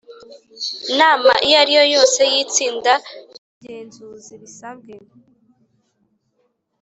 Nama iyo ariyo yose y itsinda ry ugenzuzi bisabwe